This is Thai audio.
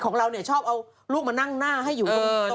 ของเราเนี่ยชอบเอาลูกมานั่งหน้าให้อยู่ตรง